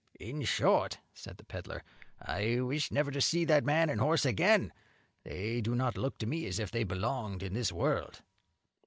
"In short," said the peddler, "I wish never to see that man and horse again; they do not look to me as if they belonged to this world."